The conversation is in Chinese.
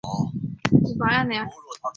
官至司封员外郎。